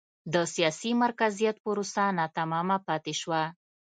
د سیاسي مرکزیت پروسه ناتمامه پاتې شوه.